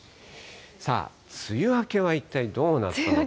さあ、梅雨明けは一体どうなったのか。